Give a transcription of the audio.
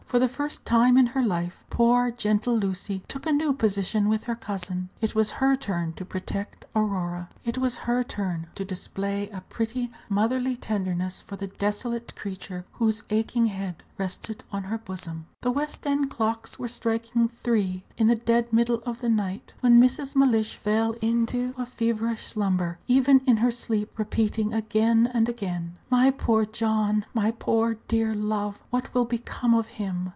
For the first time in her life, poor, gentle Lucy took a new position with her cousin. It was her turn to protect Aurora; it was her turn to display a pretty motherly tenderness for the desolate creature whose aching head rested on her bosom. The West End clocks were striking three, in the dead middle of the night, when Mrs. Mellish fell into a feverish slumber, even in her sleep repeating again and again, "My poor John! my poor, dear love! what will become of him!